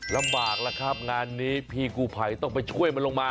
ลำบากแล้วครับงานนี้พี่กูภัยต้องไปช่วยมันลงมา